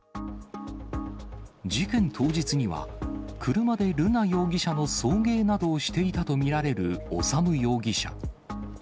事件当日には、車で瑠奈容疑者の送迎などをしていたと見られる修容疑者。